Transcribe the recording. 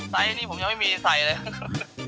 ใส่อันนี้ผมยังไม่มีใส่เลย